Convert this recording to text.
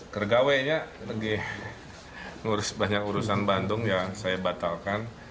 kergawe nya lagi ngurus banyak urusan bandung ya saya batalkan